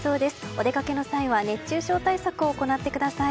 お出かけの際は熱中症対策を行ってください。